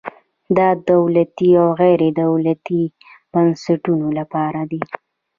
دا د دولتي او غیر دولتي بنسټونو لپاره دی.